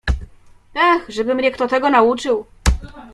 "Ach, żeby mnie kto tego nauczył."